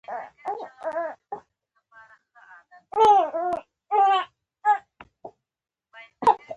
دا هغه پېښې دي چې په حافظه کې شته.